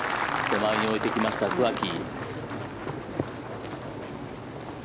手前に置いてきました桑木。